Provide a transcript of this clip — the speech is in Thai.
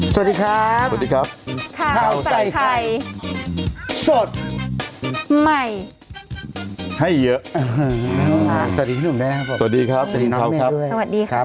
สวัสดีครับหาวใส่ไข่สดใหม่ให้เยอะสวัสดีครับน้องพี่ครับสวัสดีครับคุณที่มีน้องด้วย